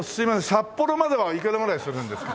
札幌まではいくらぐらいするんですか？